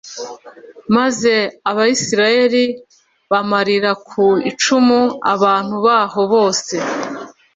maze abayisraheli bamarira ku icumu abantu baho bose